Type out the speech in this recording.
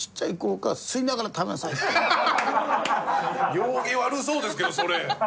行儀悪そうですけどそれ。